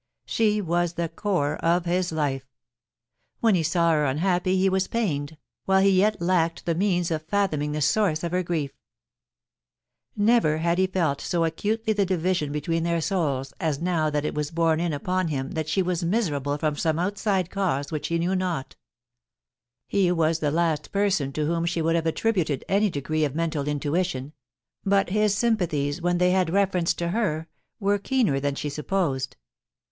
She was the core of his life. When he saw her unhappy he was pained, while he yet lacked the means of fathoming the source of her grief. Never had he felt so acutely the division between their souls as now that it was borne in upon him that she was miserable from some outside cause which he knew not He was the last person to whom she would have attributed 232 POLICY AND PASSION. any degree of mental intuition ; but his sympathies, when they had reference to her, were keener than she sup posed.